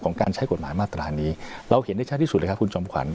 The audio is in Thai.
การใช้กฎหมายมาตรานี้เราเห็นได้ชัดที่สุดเลยครับคุณจอมขวัญ